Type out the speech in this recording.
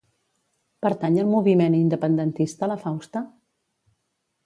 Pertany al moviment independentista la Fausta?